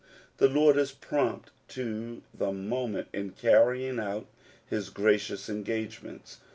The Lord is prompt to the moment in carrying out his gracious engagements.